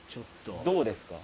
どうですか？